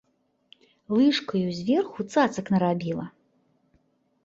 Лыжкаю зверху цацак нарабіла.